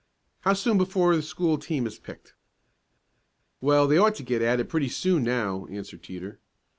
How soon before the school team is picked?" "Well, they ought to get at it pretty soon now," answered Teeter.